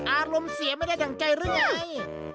อารมณ์เสียไม่ได้ดั่งใจหรือไง